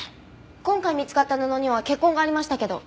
今回見つかった布には血痕がありましたけど。